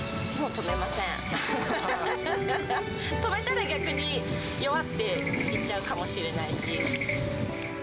止めたら逆に、弱っていっちゃうかもしれないし。